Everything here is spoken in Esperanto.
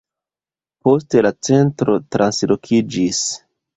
Poste la centro translokiĝis.